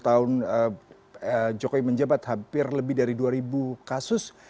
dua puluh tahun jokowi menjabat hampir lebih dari dua ribu kasus